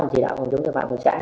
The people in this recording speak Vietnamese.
chỉ đạo phòng chống cho phạm của xã